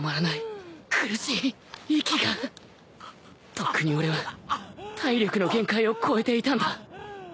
とっくに俺は体力の限界を超えていたんだ